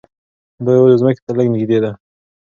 دا یوازې ځمکې ته لږ نږدې ده.